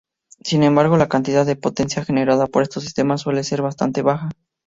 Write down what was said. Sin embargo, la cantidad de potencia generada por estos sistemas suele ser bastante baja.